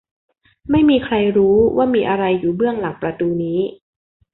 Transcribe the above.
ไม่มีใครรู้ว่ามีอะไรอยู่เบื้องหลังประตูนี้